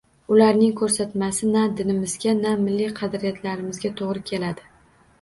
Ularning ko‘rsatmasi na dinimizga, na milliy qadriyatlarimizga to‘g‘ri keladi.